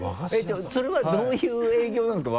それはどういう営業なんですか？